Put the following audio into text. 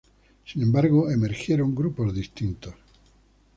Sin embargo, emergieron grupos distintos.